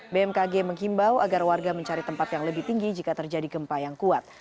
bmkg menghimbau agar warga mencari tempat yang lebih tinggi jika terjadi gempa yang kuat